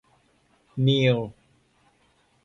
นีล